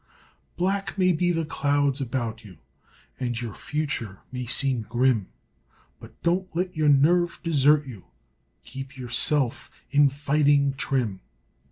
Black may be the clouds about you And your future may seem grim, But don't let your nerve desert you; Keep yourself in fighting trim.